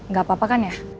gak apa apa kan ya